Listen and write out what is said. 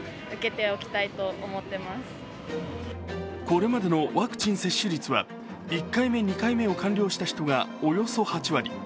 これまでのワクチン接種率は１回目、２回目を完了した人がおよそ８割。